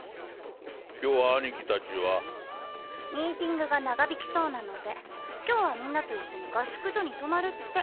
今日は兄貴達は？ミーティングが長引きそうなので今日はみんなと一緒に合宿所に泊まるって。